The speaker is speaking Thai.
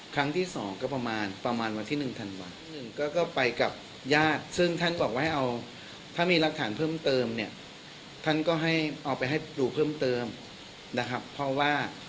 ครั้งที่สองก็ประมาณประมาณวันที่๑ธันวา๑ก็ไปกับญาติซึ่งท่านบอกว่าให้เอาถ้ามีรักฐานเพิ่มเติมเนี่ยท่านก็ให้เอาไปให้ดูเพิ่มเติมนะครับเพราะว่า